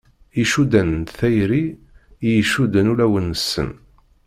Icuddan n tayri i icudden ulawen-nsen.